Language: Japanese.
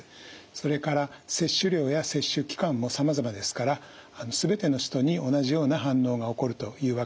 それから摂取量や摂取期間もさまざまですから全ての人に同じような反応が起こるというわけではありません。